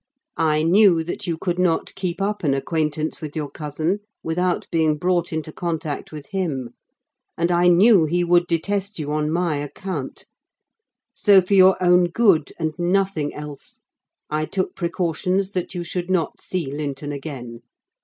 I knew that you could not keep up an acquaintance with your cousin without being brought into contact with him; and I knew he would detest you on my account; so for your own good, and nothing else, I took precautions that you should not see Linton again.